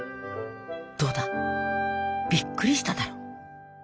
どうだびっくりしただろ。